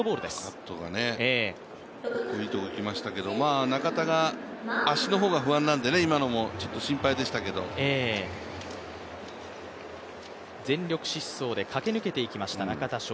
カットがいいとこきましたけど、中田が足の方が不安なんで、今のも心配でしたけど全力疾走で駆け抜けていきました、中田翔。